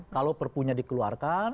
kalau perpunya dikeluarkan